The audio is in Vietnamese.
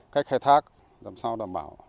cách khai thác làm sao đảm bảo